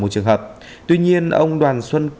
một trường hợp tuy nhiên ông đoàn xuân